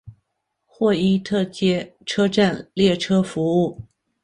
霍伊特街车站列车服务。